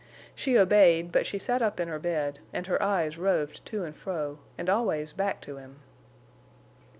She obeyed, but she sat up in her bed, and her eyes roved to and fro, and always back to him.